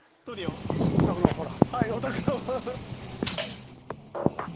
お宅のほら。